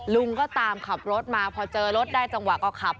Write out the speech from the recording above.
ลุงก็ตามขับรถมาพอเจอรถได้จังหวะก็ขับ